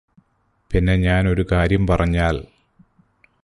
പിന്നെ ഞാന് ഒരു കാര്യം പറഞ്ഞാല്